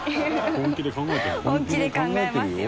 本気で考えますよ。